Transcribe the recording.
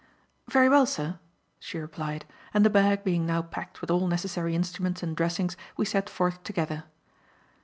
"Very well, sir," she replied, and the bag being now packed with all necessary instruments and dressings, we set forth together.